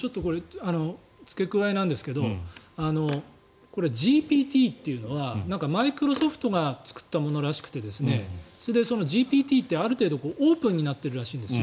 つけくわえなんですがこれＧＰＴというのはマイクロソフトが作ったものらしくてそれでＧＰＴってある程度オープンになっているらしいんです。